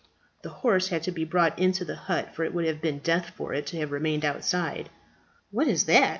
The horse had to be brought into the hut, for it would have been death for it to have remained outside. "What is that?"